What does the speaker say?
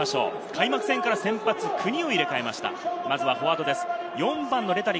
開幕戦から先発を９人入れ替えました。